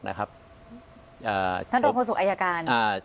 ท่านรองโฆษกอายการ